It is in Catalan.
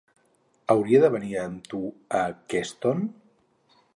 Hauria de venir amb tu a Keston?